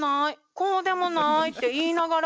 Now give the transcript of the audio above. こうでもないって言いながら。